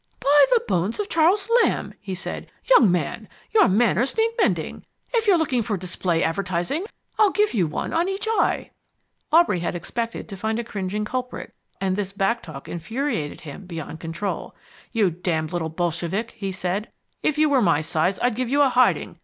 "By the bones of Charles Lamb!" he said. "Young man, your manners need mending. If you're looking for display advertising, I'll give you one on each eye." Aubrey had expected to find a cringing culprit, and this back talk infuriated him beyond control. "You damned little bolshevik," he said, "if you were my size I'd give you a hiding.